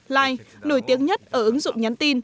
line nổi tiếng nhất ở ứng dụng nhắn tin